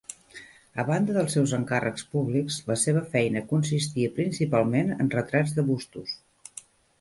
A banda dels seus encàrrecs públics, la seva feina consistia principalment en retrats de bustos.